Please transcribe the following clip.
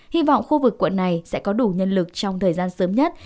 hy vọng khu vực quận này sẽ có đủ nhân lực trong thời gian sớm nhất